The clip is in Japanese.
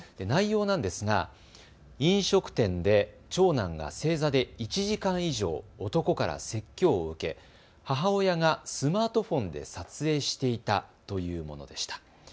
内容なんですが飲食店で長男が正座で１時間以上男から説教を受け、母親がスマートフォンで撮影していたというものでした。